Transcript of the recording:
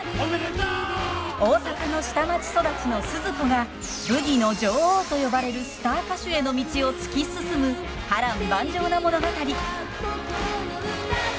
大阪の下町育ちのスズ子がブギの女王と呼ばれるスター歌手への道を突き進む波乱万丈な物語。へいっ！